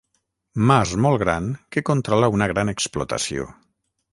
Mas molt gran que controla una gran explotació.